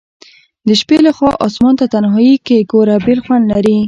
د شپي لخوا آسمان ته تنهائي کي ګوره بیل خوند لري